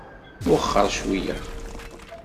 Wexxer cweyya.